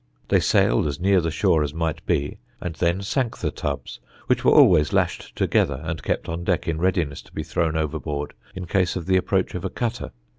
They sailed as near the shore as might be and then sank the tubs, which were always lashed together and kept on deck in readiness to be thrown overboard in case of the approach of a cutter.